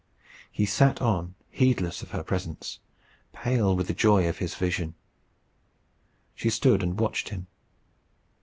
He sat on, heedless of her presence, pale with the joy of his vision. She stood and watched him.